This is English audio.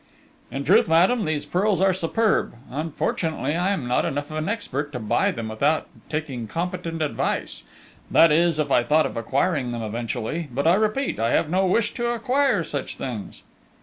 "In truth, madame, these pearls are superb; unfortunately I am not enough of an expert to buy them without taking competent advice, that is if I thought of acquiring them eventually, but I repeat, I have no wish to acquire such things!"